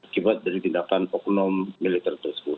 akibat dari tindakan oknum militer tersebut